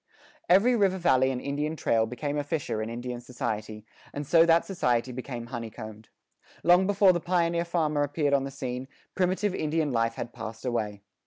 Every river valley and Indian trail became a fissure in Indian society, and so that society became honeycombed. Long before the pioneer farmer appeared on the scene, primitive Indian life had passed away.